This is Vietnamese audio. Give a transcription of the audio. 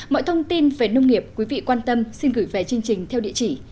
mọi thông tin về nông nghiệp quý vị quan tâm xin gửi về chương trình theo địa chỉ